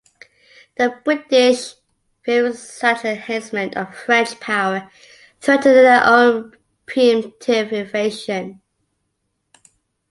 The British, fearing such enhancement of French power, threaten their own preemptive invasion.